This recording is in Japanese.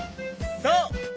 そう！